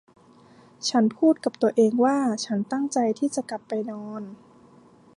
ฉันพูดกับตัวเองว่าฉันตั้งใจที่จะกลับไปนอน